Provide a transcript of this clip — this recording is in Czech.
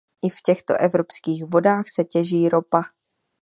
I v těchto evropských vodách se těží ropa.